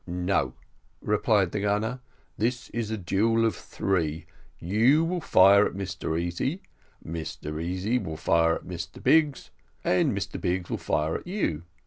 "No," replied the gunner, "this is a duel of three. You will fire at Mr Easy, Mr Easy will fire at Mr Biggs, and Mr Biggs will fire at you.